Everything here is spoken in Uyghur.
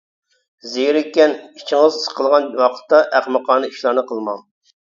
زېرىككەن، ئىچىڭىز سىقىلغان ۋاقىتتا ئەخمىقانە ئىشلارنى قىلماڭ.